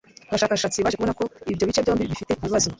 abashakashatsi baje kubona ko ibyo bice byombi bifite ibibazo